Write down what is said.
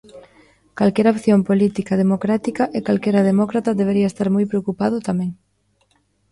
Calquera opción política democrática e calquera demócrata debería estar moi preocupado tamén.